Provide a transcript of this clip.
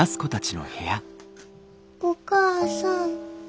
お母さん。